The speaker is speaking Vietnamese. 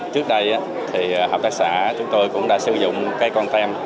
trước đây học tác xã chúng tôi cũng đã sử dụng cái content